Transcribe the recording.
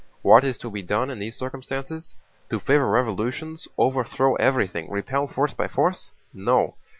What is to be done in these circumstances? To favor revolutions, overthrow everything, repel force by force?... No!